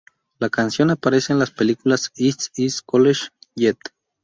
La canción aparece en las películas "Is It College Yet?